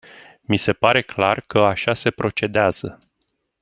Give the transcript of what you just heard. Mi se pare clar că așa se procedează.